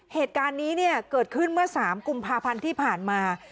เหตุการณ์นี้เนี่ยเกิดขึ้นเมื่อ๓กุมภาพันธ์ที่ผ่านมา